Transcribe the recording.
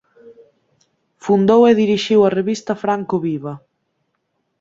Fundou e dirixiu a revista "Franco Viva".